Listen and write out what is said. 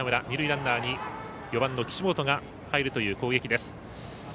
二塁ランナーに４番の岸本が入るという攻撃です。